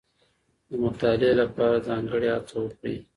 د مطالعې لپاره ځانګړې هڅه وکړئ.